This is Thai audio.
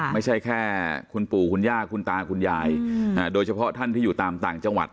ไม่ใช่แค่คุณปู่คุณย่าคุณตาคุณยายโดยเฉพาะท่านที่อยู่ตามต่างจังหวัด